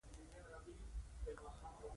بیا مې د پنیر پر چټل مخ ورو ورو ورتوږه کړل.